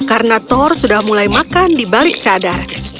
karena thor sudah mulai makan di balik ke rumah